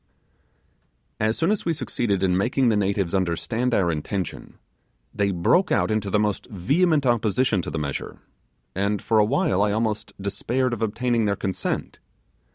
As soon as we succeeded in making the natives understand our intention, they broke out into the most vehement opposition to the measure, and for a while I almost despaired of obtaining their consent.